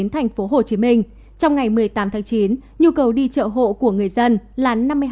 tp hcm trong ngày một mươi tám tháng chín nhu cầu đi chợ hộ của người dân là năm mươi hai bảy trăm sáu mươi hộ